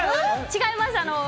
違います。